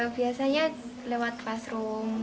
biasanya lewat classroom